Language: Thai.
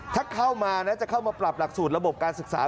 ถ้าเข้ามานะจะเข้ามาปรับหลักสูตรระบบการศึกษา